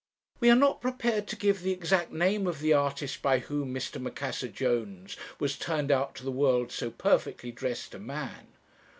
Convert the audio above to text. "We are not prepared to give the exact name of the artist by whom Mr. Macassar Jones was turned out to the world so perfectly dressed a man.